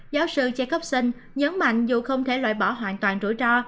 giáo sư chékovson nhấn mạnh dù không thể loại bỏ hoàn toàn rủi ro